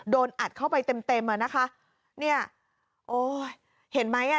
โดนอัดเข้าไปเต็มเต็มอ่ะนะคะเนี่ยโอ้ยเห็นไหมอ่ะ